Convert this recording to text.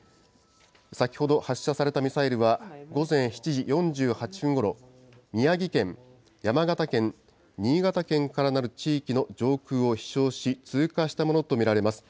先ほど発射されたミサイルは、午前７時４８分ごろ、宮城県、山形県、新潟県からなる地域の上空を飛しょうし、通過したものと見られます。